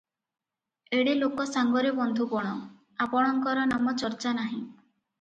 ଏଡେ ଲୋକ ସାଙ୍ଗରେ ବନ୍ଧୁପଣ - ଆପଣଙ୍କର ନାମ ଚର୍ଚ୍ଚା ନାହିଁ ।